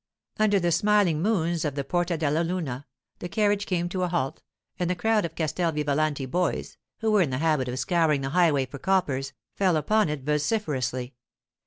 Under the smiling moons of the Porta della Luna the carriage came to a halt, and the crowd of Castel Vivalanti boys, who were in the habit of scouring the highway for coppers, fell upon it vociferously.